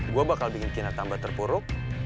gue bakal bikin kita tambah terpuruk